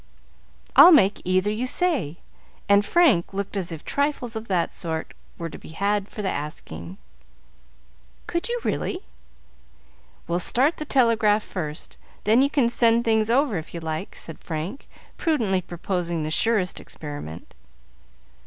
"I'll make either you say;" and Frank looked as if trifles of that sort were to be had for the asking. "Could you, really?" "We'll start the telegraph first, then you can send things over if you like," said Frank, prudently proposing the surest experiment.